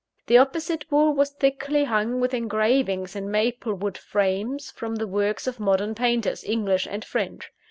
The opposite wall was thickly hung with engravings in maple wood frames from the works of modern painters, English and French.